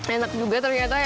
enak juga ternyata ya